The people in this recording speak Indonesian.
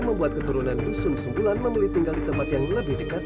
membuat keturunan dusun sembulan memilih tinggal di tempat yang lebih dekat